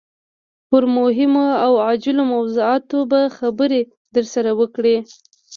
پر مهمو او عاجلو موضوعاتو به خبرې درسره وکړي.